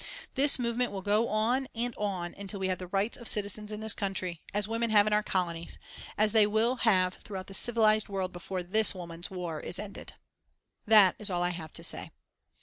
_ "_This movement will go on and on until we have the rights of citizens in this country, as women have in our Colonies, as they will have throughout the civilised world before this woman's war is ended._ "That is all I have to say."